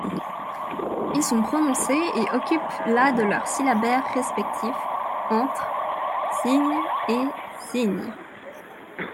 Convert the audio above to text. Ils sont prononcés et occupent la de leur syllabaire respectif, entre め et や.